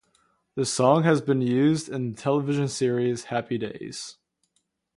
The song has been used in the television series "Happy Days".